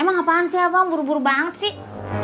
emang ngapain sih abang buru buru banget sih